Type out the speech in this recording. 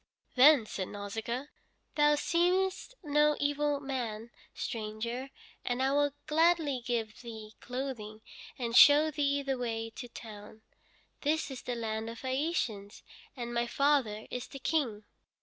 Then said Nausicaa: "Thou seemest no evil man, stranger, and I will gladly give thee clothing and show thee the way to town. This is the land of the Phæacians, and my father is the King."